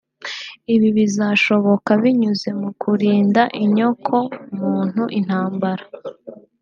Ibi bizashoboka binyuze mu kurinda inyoko-muntu intambara